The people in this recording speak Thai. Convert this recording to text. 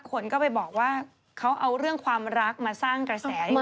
คนก็ไปบอกว่าเขาเอาเรื่องความรักมาสร้างกระแส